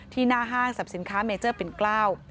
หน้าห้างสรรพสินค้าเมเจอร์ปิ่นเกล้า